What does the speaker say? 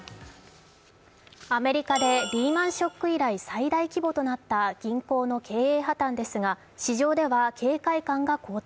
アメリカでリーマン・ショック以来最大規模となった銀行の経営破綻ですが、市場ではが後退。